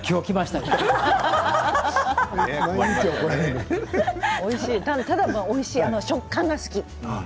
ただただおいしい食感が好き。